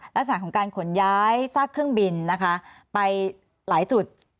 ลักษณะของการขนย้ายซากเครื่องบินนะคะไปหลายจุด